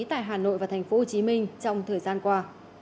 tại hà nội và tp hcm trong thời gian qua